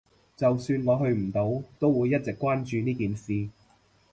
就算我去唔到，都會一直關注呢件事